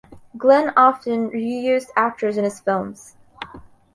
Glen often re-used actors in his films.